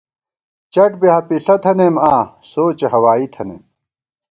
چٹ بی ہَپِݪہ تھنَئیم آں سوچےہوائی تھنَئیم